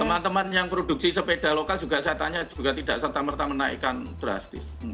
teman teman yang produksi sepeda lokal juga saya tanya juga tidak serta merta menaikkan drastis